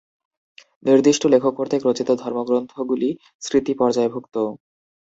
নির্দিষ্ট লেখক কর্তৃক রচিত ধর্মগ্রন্থগুলি ‘স্মৃতি’ পর্যায়ভুক্ত।